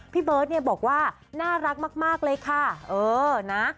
พี่เบิร์ตเนี่ยบอกว่าน่ารักมากเลยค่ะเออนะ